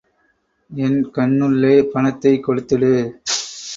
என் கண்ணுல்லே பணத்தை கொடுத்துடு.